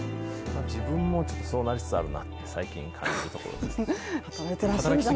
自分もそうなりつつあるなと最近、感じるところですけど。